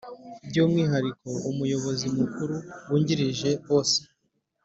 Byu umwihariko Umuyobozi Mukuru wungirije bosi